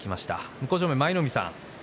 向正面の舞の海さん